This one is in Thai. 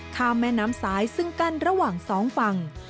ข้ามแม่น้ำซ้ายซึ่งกั้นระหว่างสองฝั่ง